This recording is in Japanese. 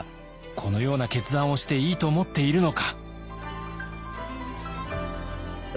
このような決断をしていいと思っているのか」。